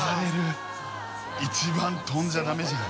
貳飛んじゃダメじゃん。